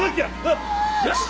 よし！